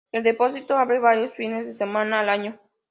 El depósito abre varios fines de semana al año.